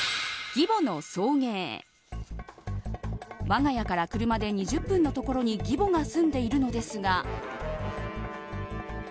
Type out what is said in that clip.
我が家から車で２０分のところに義母が住んでいるのですが。